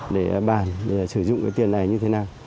để bản để sử dụng cái tiền này như thế nào